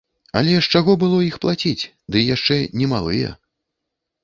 Але з чаго было іх плаціць, дый яшчэ немалыя?